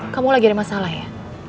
kamu lagi ada masalah ya